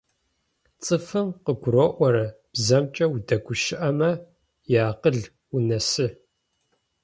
Цӏыфым къыгурыӏорэ бзэмкӏэ удэгущыӏэмэ иакъыл унэсы.